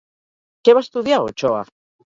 Què va estudiar Ochoa?